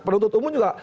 penuntut umum juga